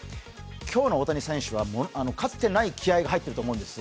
今日の大谷選手はかつてない気合いが入っていると思うんです。